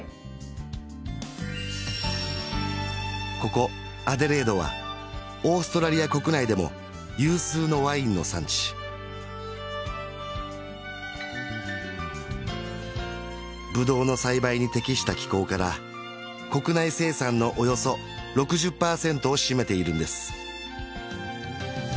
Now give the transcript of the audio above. ここアデレードはオーストラリア国内でも有数のワインの産地ブドウの栽培に適した気候から国内生産のおよそ６０％を占めているんです